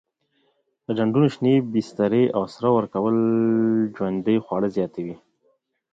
د ډنډونو شینې بسترې او سره ورکول ژوندي خواړه زیاتوي.